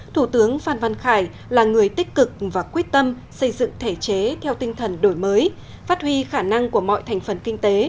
thủ tướng phan văn khải là người tích cực và quyết tâm xây dựng thể chế theo tinh thần đổi mới phát huy khả năng của mọi thành phần kinh tế